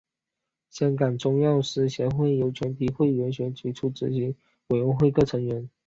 香港中药师协会由全体会员选举出执行委员会各成员。